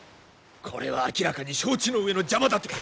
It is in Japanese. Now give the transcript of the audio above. これは明らかに承知の上の邪魔立て！